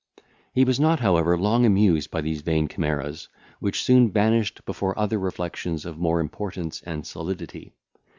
He was not, however, long amused by these vain chimeras, which soon vanished before other reflections of more importance and solidity.